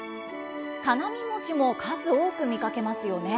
鏡餅も数多く見かけますよね。